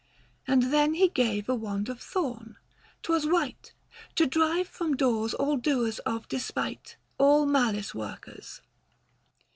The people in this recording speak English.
And then he gave a wand of thorn ; 'twas white, To drive from doors all doers of despite, All malice workers.